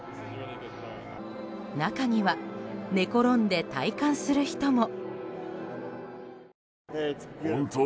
中には寝転んで体感する人も。